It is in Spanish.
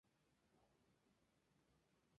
Más tarde trabajó como profesora de teatro.